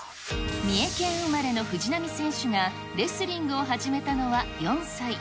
三重県生まれの藤波選手がレスリングを始めたのは４歳。